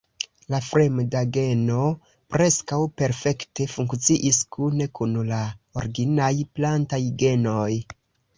La fremda geno preskaŭ perfekte funkciis kune kun la originaj plantaj genoj.